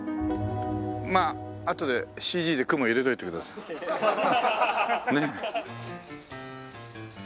まああとでＣＧで雲入れておいてください。ねえ。